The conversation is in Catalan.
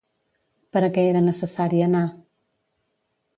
Per a què era necessari anar?